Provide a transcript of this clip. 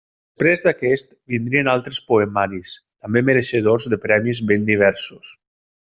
Després d'aquest vindrien altres poemaris, també mereixedors de premis ben diversos.